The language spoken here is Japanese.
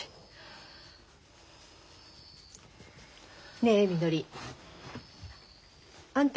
ねえみのりあんた